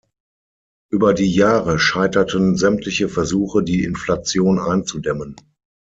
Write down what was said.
Über die Jahre scheiterten sämtliche Versuche die Inflation einzudämmen.